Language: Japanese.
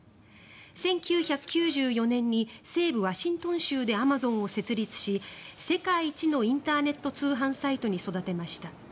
１９９４年に西部ワシントン州でアマゾンを設立し世界一のインターネット通販サイトに育てました。